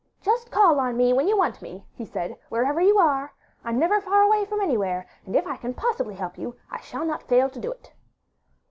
'Just call on me when you want me,' he said, 'where ever you are. I'm never far away from anywhere, and if I can possibly help you, I shall not fail to do it.